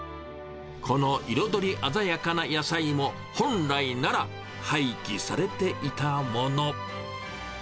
この彩り鮮やかな野菜も本来なら廃棄されていたもの。